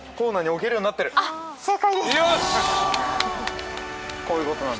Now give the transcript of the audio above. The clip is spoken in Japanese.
正解です。